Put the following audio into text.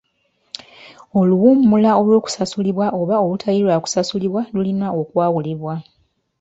Oluwummula olw'okusasulibwa oba olutali lwa kusasulibwa lulina okwawulibwa.